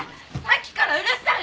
さっきからうるさい！